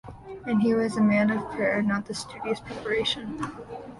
And he was a man of prayer not of studious preparation.